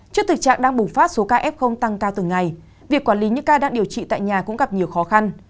trước thực trạng đang bùng phát số ca f tăng cao từng ngày việc quản lý những ca đang điều trị tại nhà cũng gặp nhiều khó khăn